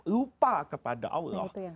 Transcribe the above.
lupa kepada allah